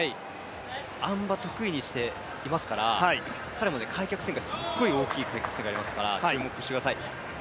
あん馬得意にしていますから、彼も開脚旋回すごい大きい開脚旋回ありますから注目してください。